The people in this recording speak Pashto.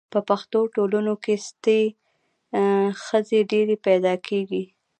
په پښتنو ټولنو کي ستۍ ښځي ډیري پیدا کیږي